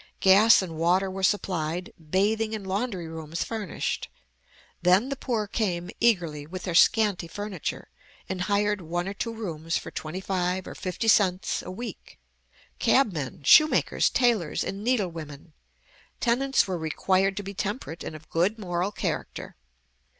Gas and water were supplied, bathing and laundry rooms furnished. Then the poor came eagerly, with their scanty furniture, and hired one or two rooms for twenty five or fifty cents a week, cab men, shoemakers, tailors, and needle women. Tenants were required to be temperate and of good moral character.